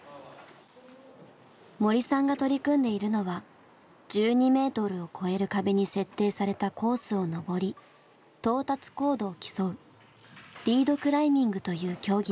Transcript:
森さんが取り組んでいるのは１２ｍを超える壁に設定されたコースを登り到達高度を競うリードクライミングという競技です。